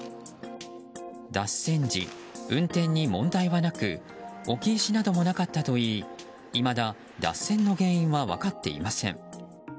脱線時、運転に問題はなく置き石などもなかったといいいまだ脱線の原因は分かっていません。